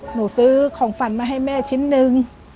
หนูซื้อของฝันมาให้แม่ชิ้นนึง